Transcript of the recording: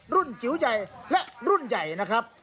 จิ๋วใหญ่และรุ่นใหญ่นะครับ